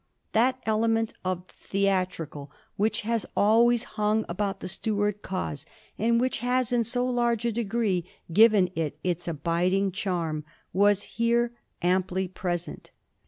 That element of the theat rical which has always hung about the Stuart cause, and which has in so large a degree given it its abiding charm, was here amply present.